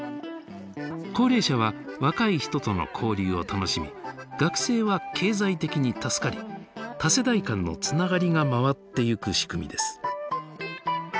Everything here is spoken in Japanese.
高齢者は若い人との交流を楽しみ学生は経済的に助かり多世代間のつながりが回っていく仕組みです。